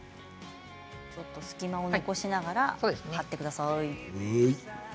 ちょっと隙間を残しながら張ってください。